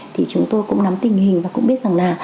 thì chúng tôi cũng nắm tình hình và cũng biết rằng là